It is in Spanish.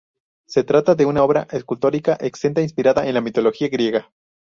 Se trata de una obra escultórica exenta, inspirada en la mitología griega.